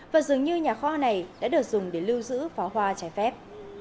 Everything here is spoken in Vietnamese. và dường như nhà kho này đã được dùng để lưu giữ phó hoa trái phép